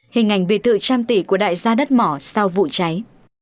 hình ảnh biệt thự trăm tỷ của đại gia đất mỏ sau vụ cháy